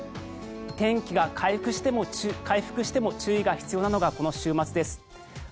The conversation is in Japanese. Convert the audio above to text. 天気が回復しても注意が必要なのがこの週末です。